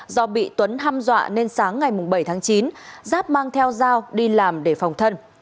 do bị tuấn hăm dọa nên sáng ngày bảy tháng chín giáp mang theo dao đi làm để phòng thân